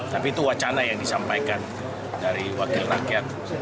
tapi itu wacana yang disampaikan dari wakil rakyat